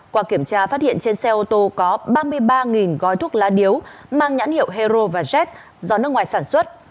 qua kiểm tra phát hiện trên xe ô tô có ba mươi ba gói thuốc lá điếu mang nhãn hiệu hero và jet do nước ngoài sản xuất